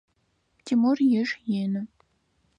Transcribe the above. Тимур иш ины.